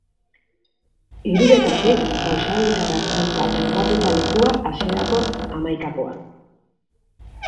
Hiruretatik basauritarrak dauka bermatuta lekua hasierako hamaikakoan.